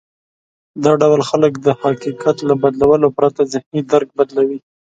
دا ډول خلک د حقيقت له بدلولو پرته ذهني درک بدلوي.